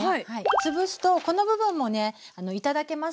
つぶすとこの部分もね頂けますよね。